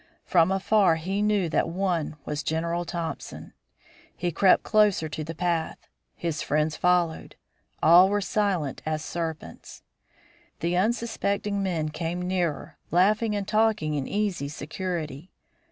From afar he knew that one was General Thompson. He crept closer to the path; his friends followed; all were silent as serpents. The unsuspecting men came nearer, laughing and talking in easy security.